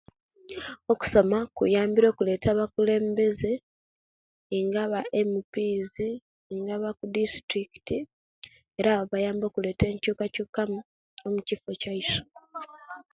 Okusoma kuyambire okuleta abakulembeeze nga abe' mps, nga abukudisiturikit era abo bayamba okuleta enchukachukana mukifo kyaisu